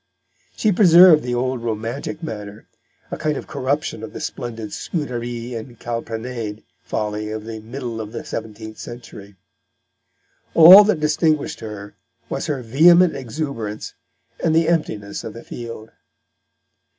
She preserved the old romantic manner, a kind of corruption of the splendid Scudéry and Calprenède folly of the middle of the seventeenth century. All that distinguished her was her vehement exuberance and the emptiness of the field.